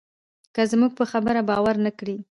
که زموږ په خبره باور نه کړې.